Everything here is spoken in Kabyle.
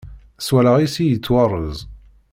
S wallaɣ-is i yettwarez.